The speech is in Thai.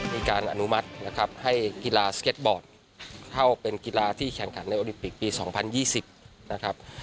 อนุมัตินะครับให้กีฬาสเก็ตบอร์ดเข้าเป็นกีฬาที่แข่งขันในโอลิปิกปี๒๐๒๐นะครับ